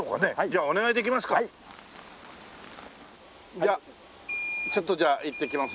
じゃあちょっとじゃあ行ってきますんでね。